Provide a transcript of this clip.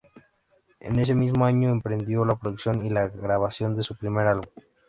En ese mismo año, emprendió la producción y la grabación de su primer álbum.